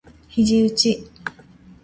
肘うち